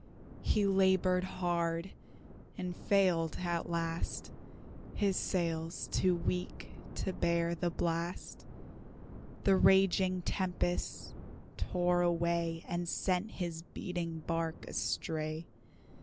He labored hard and failed at last, His sails too weak to bear the blast, The raging tempests tore away And sent his beating bark astray.